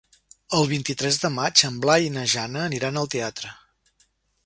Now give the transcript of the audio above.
El vint-i-tres de maig en Blai i na Jana aniran al teatre.